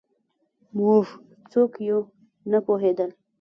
موږ څوک یو نه پوهېدل